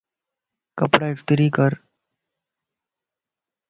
ڪپڙا استري ڪَر